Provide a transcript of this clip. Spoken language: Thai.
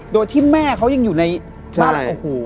โดยที่แม่เขายังอยู่ในบ้าน